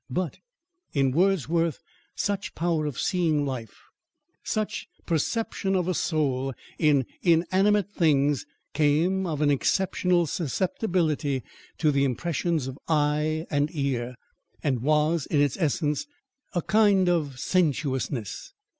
But, in Wordsworth, such power of seeing life, such perception of a soul, in inanimate things, came of an exceptional susceptibility to the impressions of eye and ear, and was, in its essence, a kind of sensuousness.